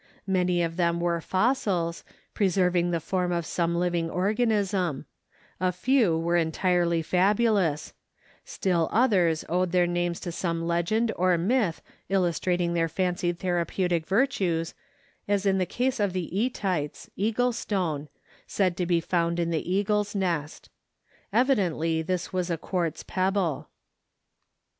Many of them were fossils, preserving the form of some living organism; a few were entirely fabulous; still others owed their names to some legend or myth illustrating their fancied therapeutic virtues, as in the case of the ætites (eagle stone) said to be found in the eagle's nest. Evidently this was a quartz pebble.